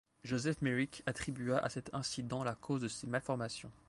Joseph Merrick attribua à cet incident la cause de ses malformations.